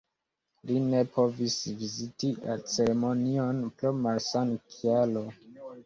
Li ne povis viziti la ceremonion pro malsan-kialo.